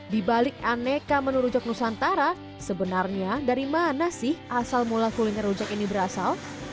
di balik aneka menu rujak nusantara sebenarnya dari mana sih asal mula kuliner rujak ini berasal